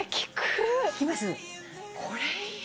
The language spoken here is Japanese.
これいい。